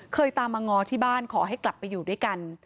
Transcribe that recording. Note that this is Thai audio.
ตามมาง้อที่บ้านขอให้กลับไปอยู่ด้วยกัน